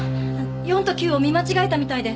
４と９を見間違えたみたいで。